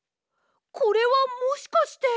これはもしかして！